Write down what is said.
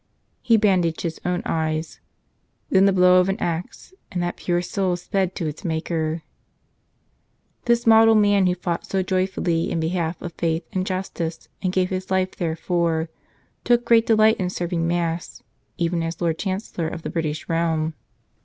He bandaged his own eyes. Then the blow of an axe — and that pure soul sped to its Maker. This model man, who fought so joyfully in behalf of faith and justice and gave his life therefor, took great delight in serving Mass, even as Lord Chancellor of the British realm.